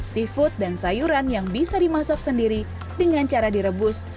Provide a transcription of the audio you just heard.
seafood dan sayuran yang bisa dimasak sendiri dengan cara direbus